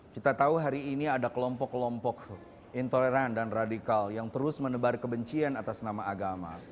kita tahu hari ini ada kelompok kelompok intoleran dan radikal yang terus menebar kebencian atas nama agama